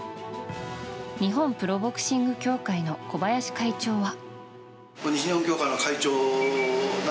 日本プロボクシング協会の小林会長は。